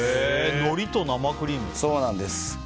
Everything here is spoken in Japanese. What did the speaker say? のりと生クリーム？